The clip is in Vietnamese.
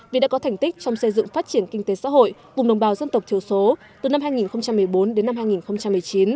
vì đã có thành tích trong xây dựng phát triển kinh tế xã hội vùng đồng bào dân tộc thiểu số từ năm hai nghìn một mươi bốn đến năm hai nghìn một mươi chín